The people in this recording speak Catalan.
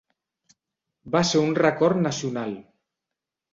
Va ser un record nacional.